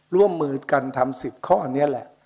ร่วมมือกันทำ๑๐ข้อนี้แหละ